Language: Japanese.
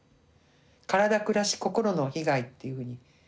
体暮らし心の被害っていうふうに。